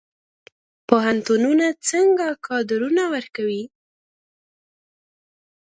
پوهنتونونه څنګه کادرونه ورکوي؟